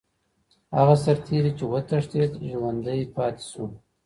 هغه سرتیری چي وتښتید ژوندی پاتې سو.